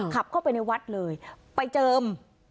ขับเข้าไปในวัดเลยไปเจิม